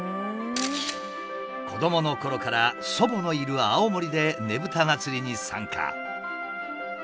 子どものころから祖母のいる青森でねぶた祭に参加。